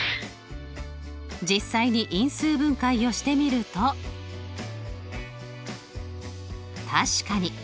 実際に因数分解をしてみると確かに。